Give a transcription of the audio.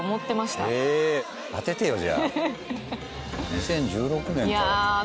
２０１６年から。